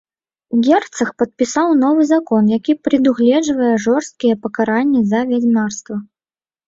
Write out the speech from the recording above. Герцаг падпісаў новы закон, які прадугледжвае жорсткія пакаранні за вядзьмарства.